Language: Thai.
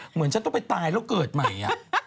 เหมือนฉันต้องไปตายแล้วเกิดใหม่